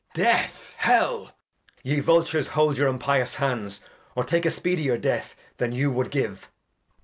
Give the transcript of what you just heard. Edg. Death! Hell! Ye Vultures, hold your impious Hands, Or take a speedier Death than you wou'd give.